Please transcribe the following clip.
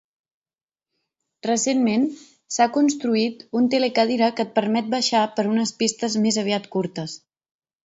Recentment, s'ha construït un telecadira que et permet baixar per unes pistes més aviat curtes.